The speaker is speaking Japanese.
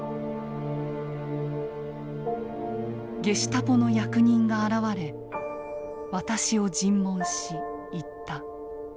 「ゲシュタポの役人が現れ私を尋問し言った。